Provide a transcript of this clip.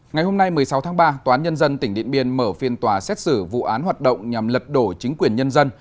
ngày hôm nay một mươi sáu tháng ba tòa án nhân dân tỉnh điện biên mở phiên tòa xét xử vụ án hoạt động nhằm lật đổ chính quyền nhân dân